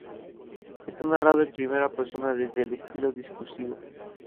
Está narrado en primera persona, desde el estilo discursivo.